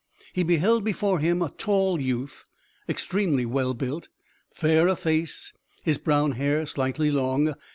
He beheld before him a tall youth, extremely well built, fair of face, his brown hair slightly long.